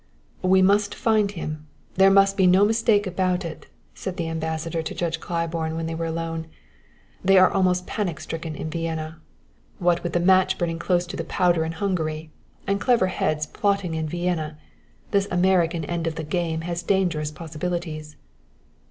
"We must find him there must be no mistake about it," said the Ambassador to Judge Claiborne, when they were alone. "They are almost panic stricken in Vienna. What with the match burning close to the powder in Hungary and clever heads plotting in Vienna this American end of the game has dangerous possibilities."